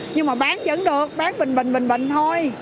nhưng mà bán vẫn được bán bình bình bình bình thôi